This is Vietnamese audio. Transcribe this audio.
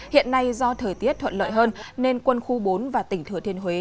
hiện nay do thời tiết thuận lợi hơn nên quân khu bốn và tỉnh thừa thiên huế